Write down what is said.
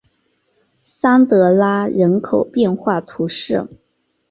桑德拉人口变化图示